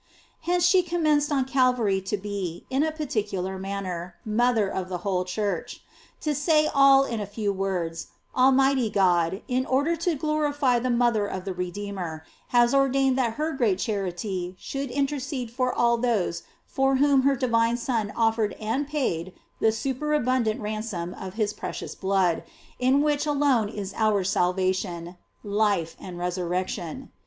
Hence sho commenced on Calvary to be, in a particular manner, mother of the whole Church. To say all in a few words, Almighty God, in order to glorify the mother of the Redeemer, has or dained that her great charity should intercede for all those for whom her divine Son offered and paid the superabundant ransom of his pre cious blood, in which alone is our salvation,, life and resurrection.